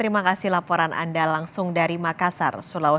terima kasih laporan anda langsung dari makassar sulawesi